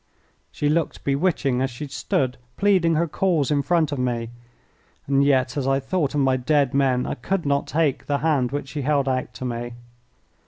She looked bewitching as she stood pleading her cause in front of me. And yet, as I thought of my dead men, I could not take the hand which she held out to me.